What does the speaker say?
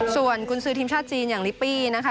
ส่วนกุญสือทีมชาติจีนอย่างลิปปี้นะคะ